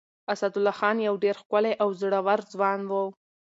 اسدالله خان يو ډېر ښکلی او زړور ځوان و.